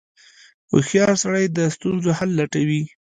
• هوښیار سړی د ستونزو حل لټوي.